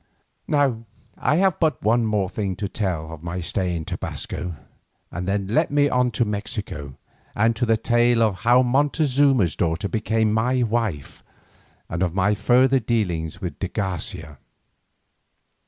Now I have but one more thing to tell of my stay in Tobasco, and then let me on to Mexico, and to the tale of how Montezuma's daughter became my wife, and of my further dealings with de Garcia.